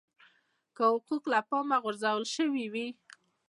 که حقوق له پامه غورځول شوي وي.